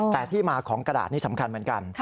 แต่ที่มาของกระดาษนี่สำคัญเหมือนกัน